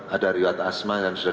ada riwat asma yang sudah